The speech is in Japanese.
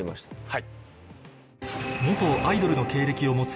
はい。